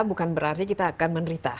bukan berarti kita akan menderita